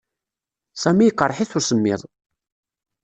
Sami yeqreḥ-it usemmiḍ.